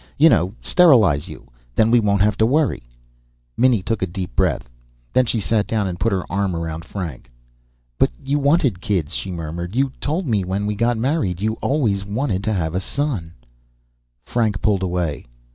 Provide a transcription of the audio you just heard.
You know, sterilize you. Then we won't have to worry." Minnie took a deep breath. Then she sat down and put her arm around Frank. "But you wanted kids," she murmured. "You told me, when we got married, you always wanted to have a son " Frank pulled away.